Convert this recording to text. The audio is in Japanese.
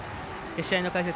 試合の解説